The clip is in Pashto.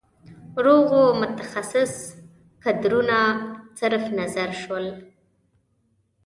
روغو متخصص کدرونه صرف نظر شول.